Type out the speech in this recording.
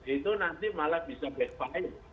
itu nanti malah bisa backfire